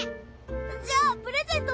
じゃあプレゼント